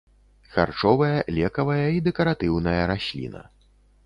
Харчовая, лекавая і дэкаратыўная расліна.